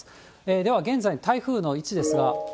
では現在の台風の位置ですが。